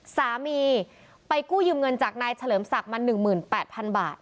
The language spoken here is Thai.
สามีไปกู้ยืมเงินจากนายเฉลิมศักดิ์มา๑๘๐๐๐บาท